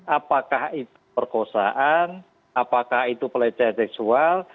apakah itu perkosaan apakah itu pelecehan seksual